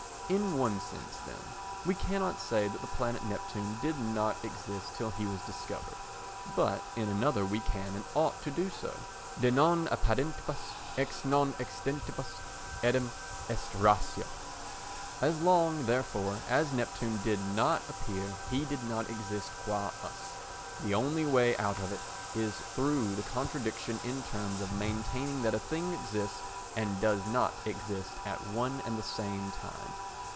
In one sense, then, we cannot say that the planet Neptune did not exist till he was discovered, but in another we can and ought to do so. De non apparentibus et non existentibus eadem est ratio; as long, therefore, as Neptune did not appear he did not exist qua us. The only way out of it is through the contradiction in terms of maintaining that a thing exists and does not exist at one and the same time.